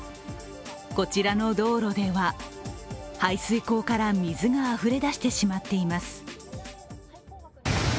こちらの道路では、排水溝から水があふれ出してしまっています。